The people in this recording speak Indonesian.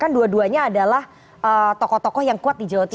kan dua duanya adalah tokoh tokoh yang kuat di jawa timur